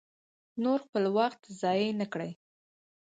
نور خپل وخت ضایع نه کړي.